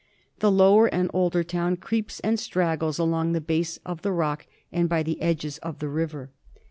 The lower and older town creeps and straggles along the base of the rock and by the edgets of the river.